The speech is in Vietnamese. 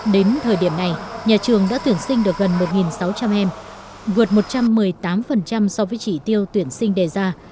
đến thời điểm này nhà trường đã tuyển sinh được gần một sáu trăm linh em vượt một trăm một mươi tám so với chỉ tiêu tuyển sinh đề ra